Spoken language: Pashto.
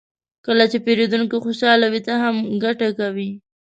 کله چې پیرودونکی خوشحال وي، ته هم ګټه کوې.